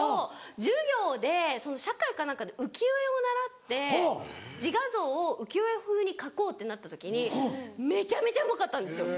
授業で社会か何かで浮世絵を習って自画像を浮世絵風に描こうってなった時にめちゃめちゃうまかったんですよ。